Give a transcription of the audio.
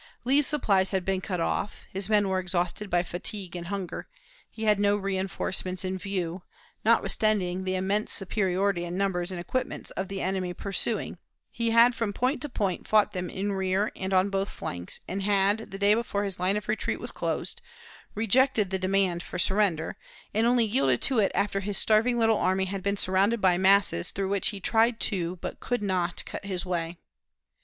Lee's supplies had been cut off, his men were exhausted by fatigue and hunger; he had no reënforcements in view; notwithstanding the immense superiority in numbers and equipments of the enemy pursuing, he had from point to point fought them in rear and on both flanks, and had, the day before his line of retreat was closed, rejected the demand for surrender, and only yielded to it after his starving little army had been surrounded by masses through which he tried to, but could not, cut his way.